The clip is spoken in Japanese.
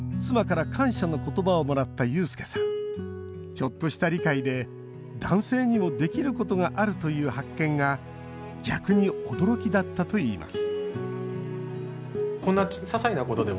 ちょっとした理解で男性にもできることがあるという発見が逆に驚きだったといいます